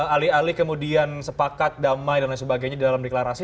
alih alih kemudian sepakat damai dan lain sebagainya di dalam deklarasi